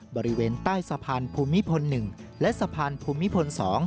บริเวณใต้สะพานภูมิพล๑และสะพานภูมิพล๒